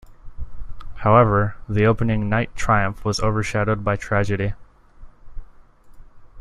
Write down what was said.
However, the opening night triumph was overshadowed by tragedy.